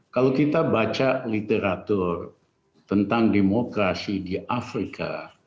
kalau kita baca literatur tentang demokrasi di afrika